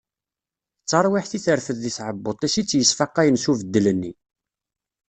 D tarwiḥt i terfed di tɛebbuṭ-is i tt-yesfaqayen s ubeddel-nni.